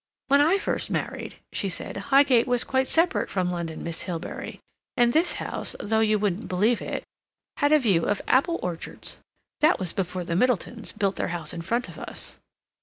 "When I first married," she said, "Highgate was quite separate from London, Miss Hilbery, and this house, though you wouldn't believe it, had a view of apple orchards. That was before the Middletons built their house in front of us."